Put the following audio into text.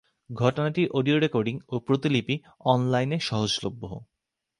ঘটনাটির audio recording ও প্রতিলিপি অনলাইনে সহজলভ্য।